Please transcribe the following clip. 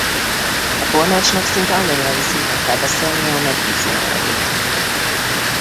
A tolmácsnak szinte anyanyelvi szinten kell beszélnie a megbízó nyelvét.